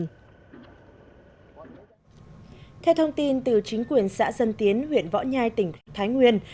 theo thông tin từ chính quyền xã dân tiến huyện võ nhai tỉnh thái nguyên